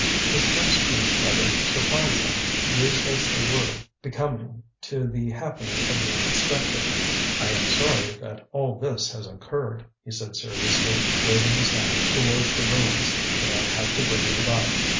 His first speech rather surprised them, used as they were becoming to the happening of the unexpected. "I am sorry that all this has occurred," he said seriously, waving his hand towards the ruins; "but I had to bring it about."